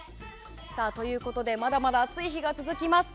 ということでまだまだ暑い日が続きます。